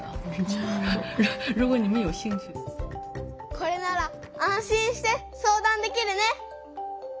これなら安心して相談できるね！